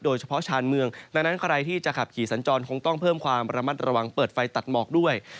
ชานเมืองดังนั้นใครที่จะขับขี่สัญจรคงต้องเพิ่มความระมัดระวังเปิดไฟตัดหมอกด้วย